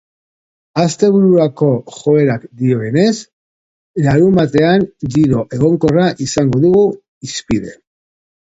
Astebururako joerak dioenez, larunbatean giro egonkorra izango dugu hizpide.